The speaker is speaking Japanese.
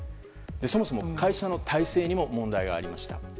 そもそも会社の体制にも問題がありました。